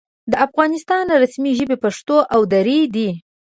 د افغانستان رسمي ژبې پښتو او دري دي.